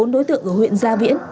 bốn đối tượng ở huyện gia viễn